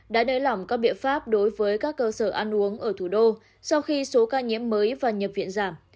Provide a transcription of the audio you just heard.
đã nới lỏng các biện pháp đối với các cơ sở ăn uống ở thủ đô sau khi số ca nhiễm mới và nhập viện giảm